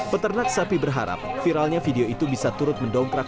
peternak sapi berharap viralnya video itu bisa turut mendongkrak